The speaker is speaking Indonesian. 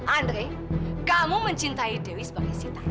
andre kamu mencintai dewi sebagai sita